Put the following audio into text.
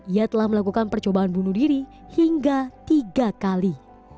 ia telah melakukan percobaan bunuh diri hingga tiga kali